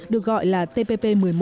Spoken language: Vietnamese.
được gọi là tpp một mươi một